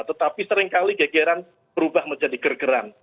tetapi seringkali gegeran berubah menjadi gergeran